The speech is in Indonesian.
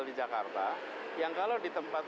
di jakarta yang kalau di tempat